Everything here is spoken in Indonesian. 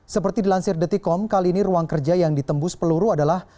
seperti dilansir detikom kali ini ruang kerja yang ditembus peluru adalah